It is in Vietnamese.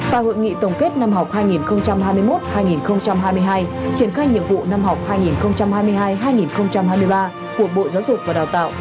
tại hội nghị tổng kết năm học hai nghìn hai mươi một hai nghìn hai mươi hai triển khai nhiệm vụ năm học hai nghìn hai mươi hai hai nghìn hai mươi ba của bộ giáo dục và đào tạo